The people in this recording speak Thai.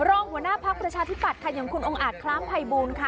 หัวหน้าพักประชาธิปัตย์ค่ะอย่างคุณองค์อาจคล้ามภัยบูลค่ะ